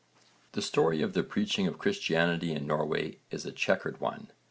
The story of the preaching of Christianity in Norway is a chequered one.